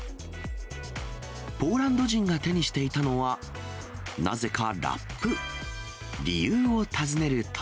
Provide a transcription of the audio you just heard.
ポーランド人が手にしていたのは、なぜかラップ。